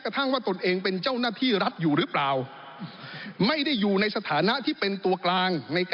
ฟังทั้งคู่พูดหน่อยนะคะ